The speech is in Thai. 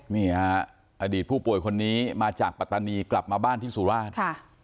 นี่ฮะอดีตผู้ป่วยคนนี้มาจากปัตตานีกลับมาบ้านที่สุราช